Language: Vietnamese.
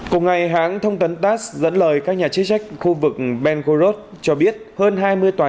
cùng ngày hãng thông tấn tass dẫn lời các nhà chức trách khu vực ben gorod cho biết hơn hai mươi tòa